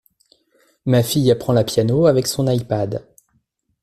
Ma fille apprend la piano avec son ipad.